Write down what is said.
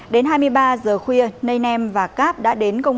đến hai mươi ba giờ khuya ney nem và cap đã đến công an